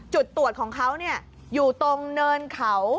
จุดตรวจของเขาอยู่ตรงเนินเขา